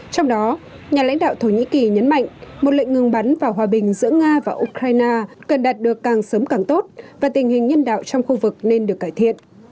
trong đó nhà lãnh đạo thổ nhĩ kỳ nhấn mạnh một lệnh ngừng bắn vào hòa bình giữa nga và ukraine cần đạt được càng sớm càng tốt và tình hình nhân đạo trong khu vực nên được cải thiện